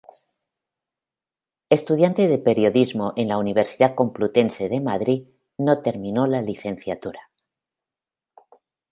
Estudiante de Periodismo en la Universidad Complutense de Madrid, no terminó la licenciatura.